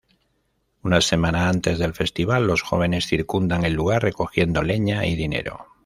Una semana antes del festival, los jóvenes circundan el lugar, recogiendo leña y dinero.